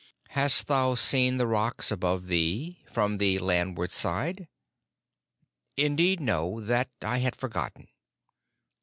"Hast thou seen the rocks above thee? From the landward side?" "Indeed, no. That I had forgotten."